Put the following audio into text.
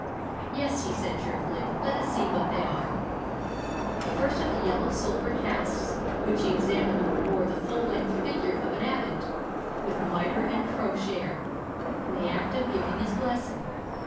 "Yes," he said cheerfully. "Let us see what they are." The first of the yellow sulphur casts which he examined bore the full length figure of an abbot, with mitre and crosier, in the act of giving his blessing.